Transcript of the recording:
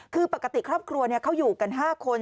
คือปกติครอบครัวเขาอยู่กัน๕คน